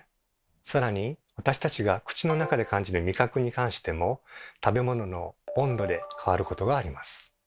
さらに私たちが口の中で感じる味覚に関しても食べ物の温度で変わることがあります。